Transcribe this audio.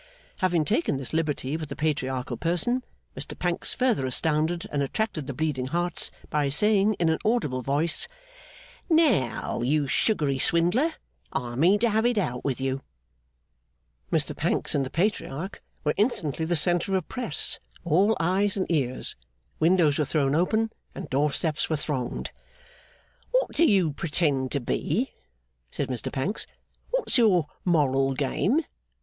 Having taken this little liberty with the Patriarchal person, Mr Pancks further astounded and attracted the Bleeding Hearts by saying in an audible voice, 'Now, you sugary swindler, I mean to have it out with you!' Mr Pancks and the Patriarch were instantly the centre of a press, all eyes and ears; windows were thrown open, and door steps were thronged. 'What do you pretend to be?' said Mr Pancks. 'What's your moral game?